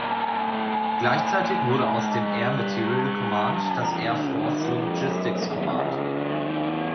Gleichzeitig wurde aus dem "Air Materiel Command" das "Air Force Logistics Command".